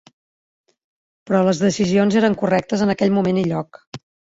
Però les decisions eren correctes, en aquell moment i lloc.